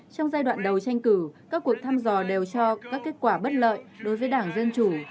trong giai đoạn đầu tranh cử các cuộc thăm dò đều cho các kết quả bất lợi đối với đảng dân chủ